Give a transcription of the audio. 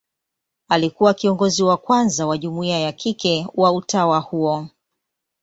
Alikuwa kiongozi wa kwanza wa jumuia ya kike wa utawa huo.